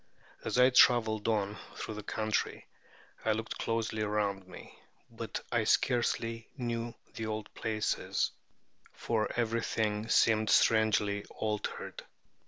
As I traveled on through the country, I looked closely around me; but I scarcely knew the old places, for everything seemed strangely altered.